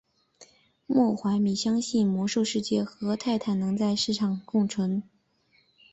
莫怀米相信魔兽世界和泰坦能在市场上共存。